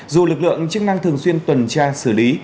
dù lực lượng chức năng thường xuyên tuần tra xử lý